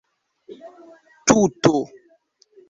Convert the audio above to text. tuto